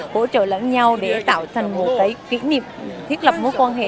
hỗ trợ lẫn nhau để tạo thành một cái kỷ niệm thiết lập mối quan hệ